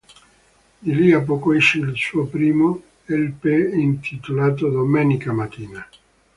Di lì a poco esce il suo primo Lp intitolato Domenica Mattina.